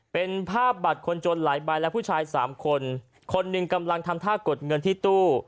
เป็นภาพบัตรคนจนหลายใบและผู้ชายสามคนคนหนึ่งกำลังทำท่ากดเงินที่ตู้